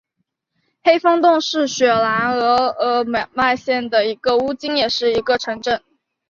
黑风洞是雪兰莪鹅唛县的一个巫金也是一个城镇。